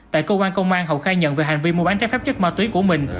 tại cơ quan công an hậu khai nhận về hành vi mua bán trái phép chất ma túy của mình